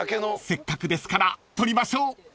［せっかくですから撮りましょう］